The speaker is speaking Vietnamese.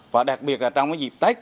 và đặc biệt trong dịp tết